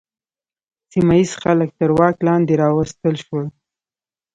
سیمه ییز خلک تر واک لاندې راوستل شول.